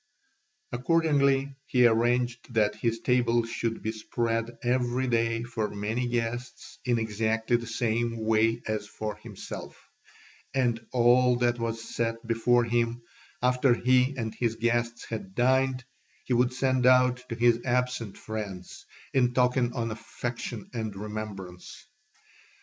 Accordingly he arranged that his table should be spread every day for many guests in exactly the same way as for himself; and all that was set before him, after he and his guests had dined, he would send out to his absent friends, in token of affection and remembrance.